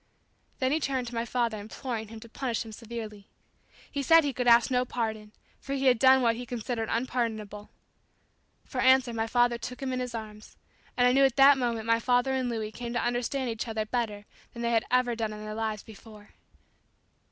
Then he turned to my father imploring him to punish him severely. He said he could ask no pardon, for he had done what he considered unpardonable. For answer my father took him in his arms; and I knew that at that moment my father and Louis came to understand each other better than they had ever done in their lives before.